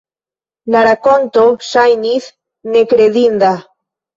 La rakonto ŝajnis nekredinda.